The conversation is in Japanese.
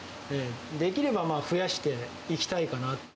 できればまあ、増やしていきたいかな。